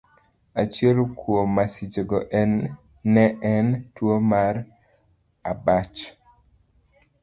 Achiel kuom masichego ne en tuwo mar abach.